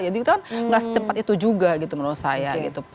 jadi itu kan nggak secepat itu juga menurut saya